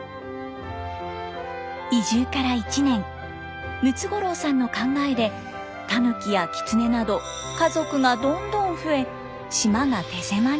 移住から１年ムツゴロウさんの考えでタヌキやキツネなど家族がどんどん増え島が手狭に。